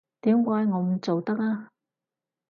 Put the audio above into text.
點解我唔做得啊？